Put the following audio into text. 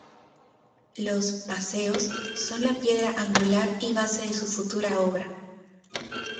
Los "Paseos" son la piedra angular y base de su futura obra.